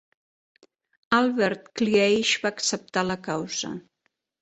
Albert Cleage va acceptar la causa.